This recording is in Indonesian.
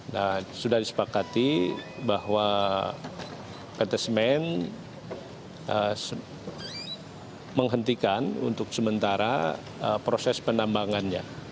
nah sudah disepakati bahwa pt semen menghentikan untuk sementara proses penambangannya